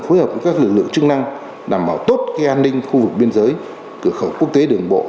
phối hợp với các lực lượng chức năng đảm bảo tốt an ninh khu vực biên giới cửa khẩu quốc tế đường bộ